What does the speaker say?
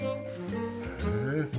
へえ。